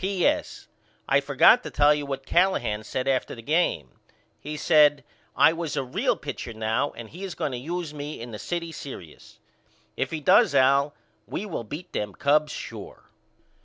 P.S. I forgot to tell you what Callahan said after the game. He said I was a real pitcher now and he is going to use me in the city serious. If he does Al we will beat them Cubs sure.